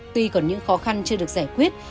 tuy còn những khó khăn chưa được giải quyết